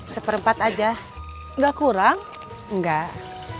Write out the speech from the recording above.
seperempat aja nggak kurang enggak